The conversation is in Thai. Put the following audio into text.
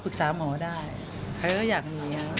ฝึกษาหมอได้เขาก็อยากหนี